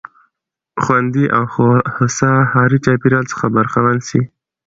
خوندي او هوسا ښاري چاپېريال څخه برخمن سي.